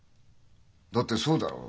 だってそうだろ。